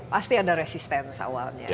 pasti ada resistensi awalnya